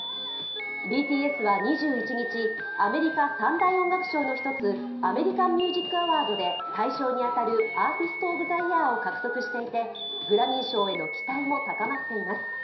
ＢＴＳは２１日、アメリカ３大音楽賞の一つアメリカン・ミュージック・アワードで大賞に当たるアーティスト・オブ・ザ・イヤーを獲得していて、グラミー賞への期待も高まっています。